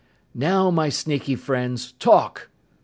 "Now, my sneaky friends, talk!"